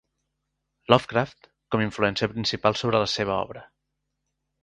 Lovecraft com influència principal sobre la seva obra.